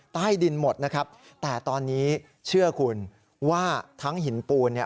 ใต้ดินหมดนะครับแต่ตอนนี้เชื่อคุณว่าทั้งหินปูนเนี่ย